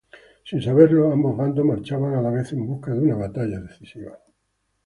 Sin saberlo, ambos bandos marchaban a la vez en busca de una batalla decisiva.